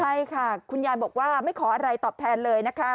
ใช่ค่ะคุณยายบอกว่าไม่ขออะไรตอบแทนเลยนะคะ